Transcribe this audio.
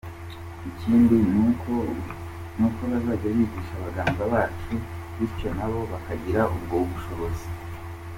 Ikindi ni uko bazajya bigisha abaganga bacu bityo na bo bakagira ubwo bushobozi.